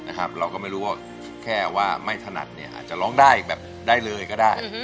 นะครับเราก็ไม่รู้ว่าแค่ว่าไม่ถนัดเนี่ยอาจจะร้องได้แบบได้เลยก็ได้อืม